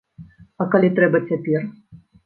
А калі трэба цяпер?